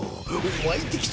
湧いてきた。